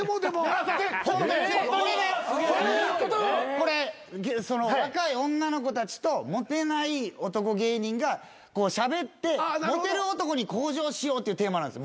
これ若い女の子たちとモテない男芸人がしゃべってモテる男に向上しようってテーマなんです。